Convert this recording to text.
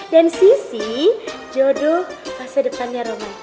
dan sissy jodoh masa depannya roman